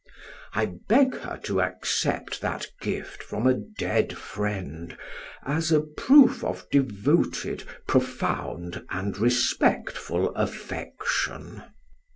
I beg her to accept that gift from a dead friend as a proof of devoted, profound, and respectful affection.'"